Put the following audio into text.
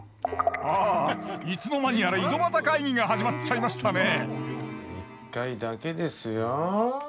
あいつの間にやら井戸端会議が始まっちゃいましたね一回だけですよ。